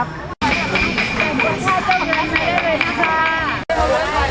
พระเจ้าข้าว